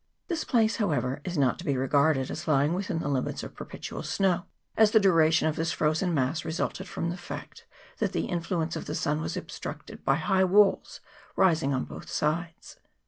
This place, however, is not to be regarded as lying within the limits of perpetual snow, as the duration of this frozen mass resulted from the fact that the influence of the sun was obstructed by high walls rising on both sides.